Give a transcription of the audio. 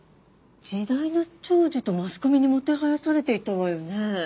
時代の寵児とマスコミにもてはやされていたわよね。